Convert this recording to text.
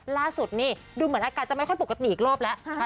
ล่าสุดนี่ดูเหมือนอาการจะไม่ค่อยปกติอีกรอบแล้ว